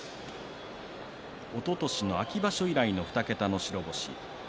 おととしの秋場所以来の２桁の白星。